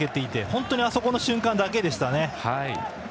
本当にあそこの瞬間だけでしたね。